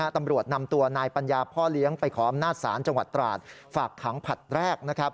ตำรวจนำตัวนายปัญญาพ่อเลี้ยงไปขออำนาจศาลจังหวัดตราดฝากขังผลัดแรก